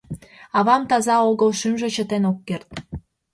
Авам таза огыл, шӱмжӧ чытен ок керт.